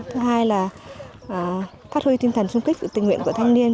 thứ hai là phát huy tinh thần sung kích sự tình nguyện của thanh niên